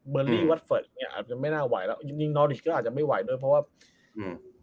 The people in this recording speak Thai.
เบอร์นลี่เนี่ยอาจจะไม่น่าไหวแล้วยังยังนอนอีกก็อาจจะไม่ไหวด้วยเพราะว่า